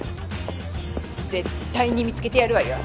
絶対に見つけてやるわよ。